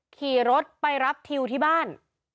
ขี่รถไปรับทิวที่บ้าน